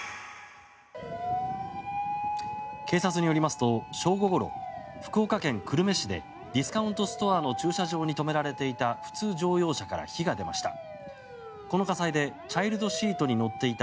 警察によりますと正午ごろ福岡県久留米市でディスカウントストアの駐車場に止められていた普通乗用車から火が出ました。